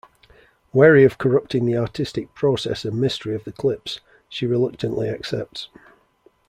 Wary of corrupting the artistic process and mystery of the clips, she reluctantly accepts.